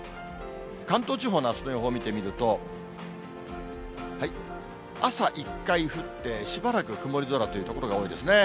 関東地方のあすの予報を見てみると、朝、１回降って、しばらく曇り空という所が多いですね。